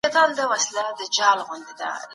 د بيمې ادارو فعاليتونه په ټولنه کي پراخ سول.